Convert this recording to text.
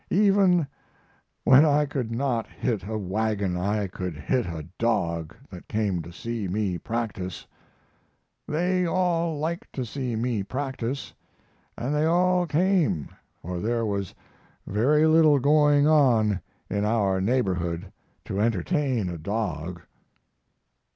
Even when I could not hit a wagon I could hit a dog that came to see me practise. They all liked to see me practise, and they all came, for there was very little going on in our neighborhood to entertain a dog.